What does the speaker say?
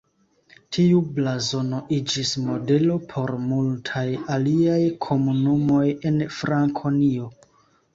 Tiu blazono iĝis modelo por multaj aliaj komunumoj en Frankonio.